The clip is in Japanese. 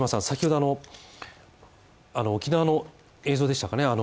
先ほど沖縄の映像でしたかね